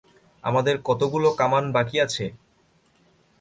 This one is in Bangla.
আমাদের কতগুলো কামান বাকি আছে?